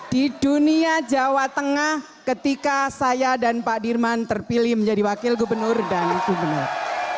di dunia jawa tengah ketika saya dan pak dirman terpilih menjadi wakil gubernur dan gubernur